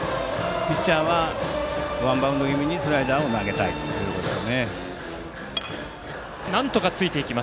ピッチャーはワンバウンド気味にスライダーを投げたいということです。